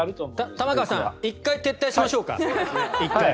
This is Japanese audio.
玉川さん１回、撤退しましょうか。